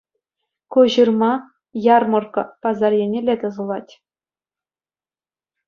Ку ҫырма «Ярмӑрккӑ» пасар еннелле тӑсӑлать.